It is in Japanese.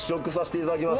いただきます！